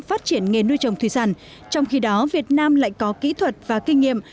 phát triển nghề nuôi trồng thủy sản trong khi đó việt nam lại có kỹ thuật và kinh nghiệm